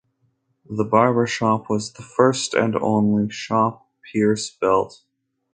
The barbershop was the first and only shop Pierce built.